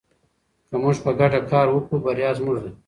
که موږ په ګډه کار وکړو بریا زموږ ده.